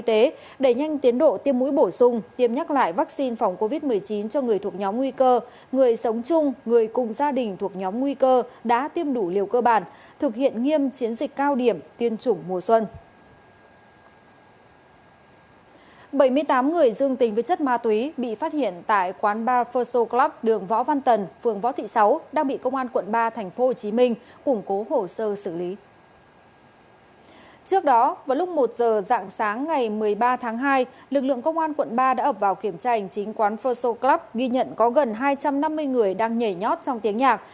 trước đó vào lúc một giờ dạng sáng ngày một mươi ba tháng hai lực lượng công an quận ba đã ập vào kiểm tra hình chính quán fosso club ghi nhận có gần hai trăm năm mươi người đang nhảy nhót trong tiếng nhạc